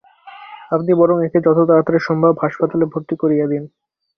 আপনি বরং একে যত তাড়াতাড়ি সম্ভব হাসপাতালে ভর্তি করিয়ে দিন।